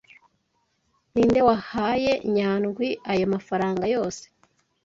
Ninde wahaye Nyandwi ayo mafaranga yose?